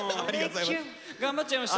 「夢キュン」！頑張っちゃいました。